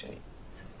そっか。